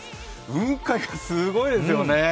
雲海がすごいですよね。